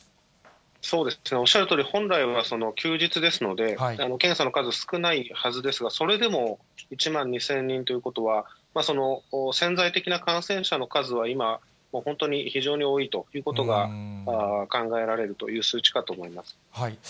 おっしゃるとおり、本来は休日ですので、検査の数、少ないはずですが、それでも１万２０００人ということは、その潜在的な感染者の数は今、本当に非常に多いということが考えられるという数値化と思います。